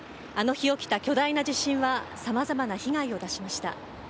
あの日起きた巨大な地震はさまざまな被害を出しました。